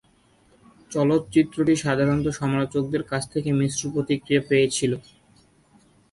চলচ্চিত্রটি সাধারণত সমালোচকদের কাছ থেকে মিশ্র প্রতিক্রিয়া পেয়েছিল।